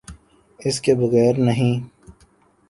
اس کے بغیر نہیں۔